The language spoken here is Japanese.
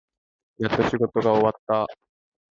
やっと仕事が終わった。